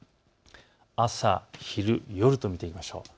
朝昼夜と見ていきます。